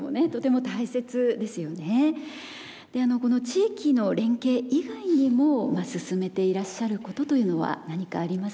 この地域の連携以外にも進めていらっしゃることというのは何かありますか？